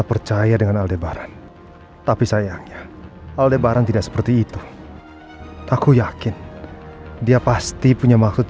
tolong jangan pernah ngejelekin mas al di depan aku